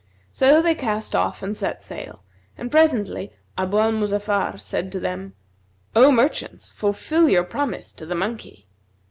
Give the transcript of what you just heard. So they cast off and set sail; and presently Abu al Muzaffar said to them, 'O merchants, fulfil your promise to the monkey.'